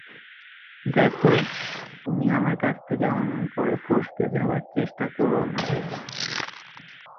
দেখো, তুমি আমার কাছ থেকে অমন করে ফসকে যাবার চেষ্টা কোরো না।